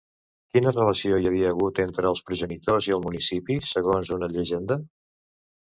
Quina relació hi havia hagut entre els progenitors i el municipi, segons una llegenda?